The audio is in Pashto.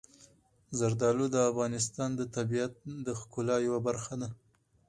زردالو د افغانستان د طبیعت د ښکلا یوه برخه ده.